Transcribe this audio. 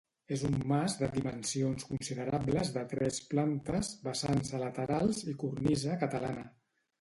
És un mas de dimensions considerables de tres plantes, vessants a laterals i cornisa catalana.